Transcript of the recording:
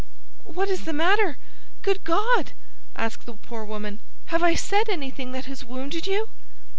"What is the matter? Good God!" asked the poor woman, "have I said anything that has wounded you?"